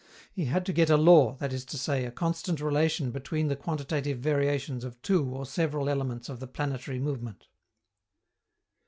He had to get a law, that is to say, a constant relation between the quantitative variations of two or several elements of the planetary movement.